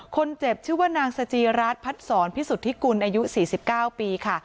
คนเจ็บชื่อว่านางสจีรัฐพัดศรพิสุทธิกุลอายุ๔๙ปีค่ะ